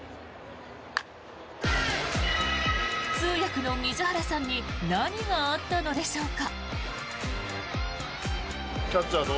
通訳の水原さんに何があったのでしょうか。